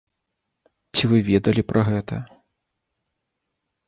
Ці вы ведалі пра гэта?